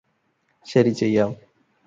ശരി ചെയ്യാം